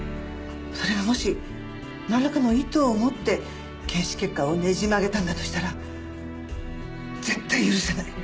それがもしなんらかの意図を持って検視結果をねじ曲げたんだとしたら絶対許せない。